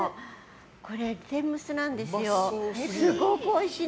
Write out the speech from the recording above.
これ、天むすなんですよ。